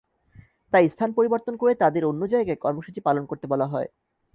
তাই স্থান পরিবর্তন করে তাঁদের অন্য জায়গায় কর্মসূচি পালন করতে বলা হয়।